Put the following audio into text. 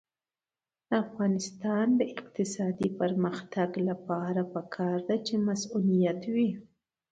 د افغانستان د اقتصادي پرمختګ لپاره پکار ده چې مصونیت وي.